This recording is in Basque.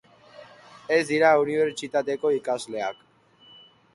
Ez dira unibertsitateko ikasleak.